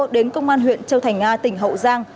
đến công an huyện châu thành a tỉnh hậu giang